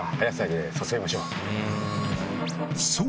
そう！